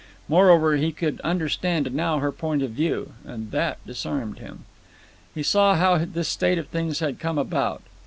Moreover, he could understand now her point of view, and that disarmed him. He saw how this state of things had come about.